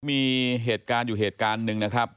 มีเหตุการณ์อยู่เหตุการณ์หนึ่งนะครับ